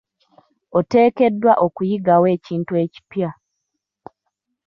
Oteekeddwa okuyigawo ekintu ekipya.